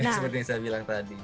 seperti yang saya bilang tadi